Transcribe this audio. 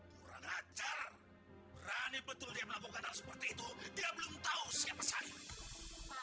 kurang ajar berani betul dia melakukan hal seperti itu dia belum tahu siapa saya